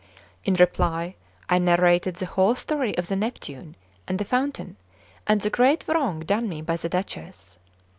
In reply, I narrated the whole story of the Neptune and the fountain, and the great wrong done me by the Duchess.